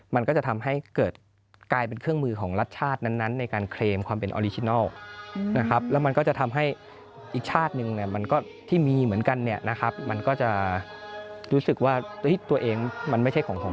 มันก็จะทำให้เกิดกลายเป็นเครื่องมือของรัฐชาตินั้นในการเคลมความเป็นออริจินัลนะครับ